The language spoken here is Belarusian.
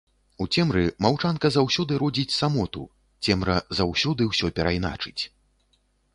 У цемры маўчанка заўсёды родзіць самоту, цемра заўсёды ўсё перайначыць.